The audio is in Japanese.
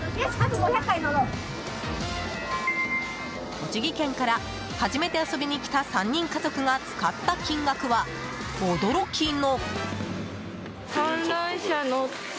栃木県から初めて遊びに来た３人家族が使った金額は驚きの。